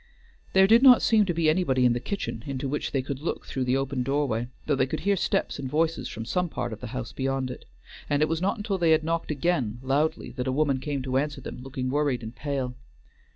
There did not seem to be anybody in the kitchen, into which they could look through the open doorway, though they could hear steps and voices from some part of the house beyond it; and it was not until they had knocked again loudly that a woman came to answer them, looking worried and pale.